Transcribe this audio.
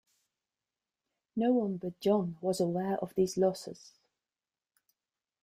No one but John was aware of these losses.